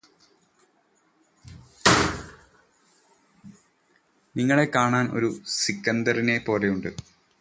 നിങ്ങളെ കാണാൻ ഒരു സിക്കന്ധറിനെ പോലെയുണ്ട്